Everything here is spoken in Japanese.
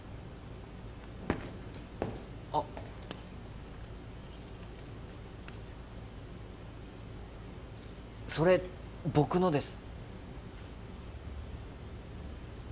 あっそれ僕のです